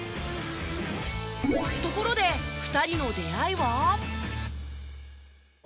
ところで２人の出会いは？